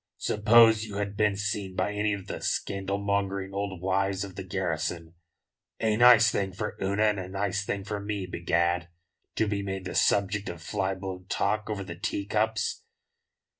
"Suppose you had been seen by any of the scandalmongering old wives of the garrison? A nice thing for Una and a nice thing for me, begad, to be made the subject of fly blown talk over the tea cups."